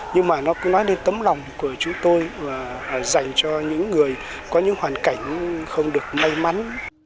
nhưng mà nó cũng nói đến tấm lòng của chúng tôi dành cho những người có những hoàn cảnh không được may mắn